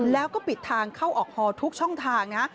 แล้วก็ปิดทางเข้าออกฮอทุกช่องทางนะ